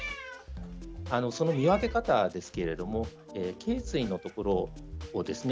その見分け方ですけれどもけい椎の所をですね